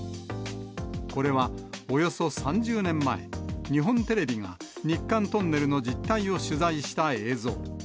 これは、およそ３０年前、日本テレビが日韓トンネルの実態を取材した映像。